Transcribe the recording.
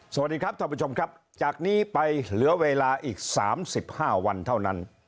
สวัสดีครับท่านผู้ชมครับจากนี้ไปเหลือเวลาอีก๓๕วันเท่านั้น